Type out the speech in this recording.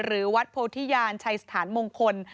หรือวัดโพธิญาณชัยสถานมงคล